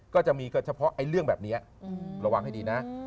ก็จะมีกันเฉพาะเรื่องแบบนี้ระวังให้ดีนะ